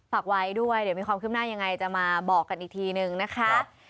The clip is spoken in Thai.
ฝากไว้ด้วยเดี๋ยวมีความขึ้นหน้ายังไงจะมาบอกกันอีกทีนึงนะคะ